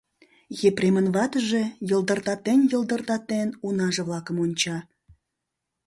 Епремын ватыже, йылдыртатен-йылдыртатен, унаже-влакым онча.